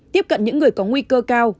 tiếp cận những người có nguy cơ cao